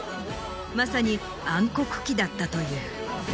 まさに暗黒期だったという。